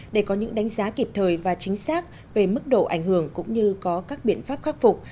để có những đánh giá kịp thời và chính xác về mức độ ảnh hưởng cũng như có các biện pháp khắc phục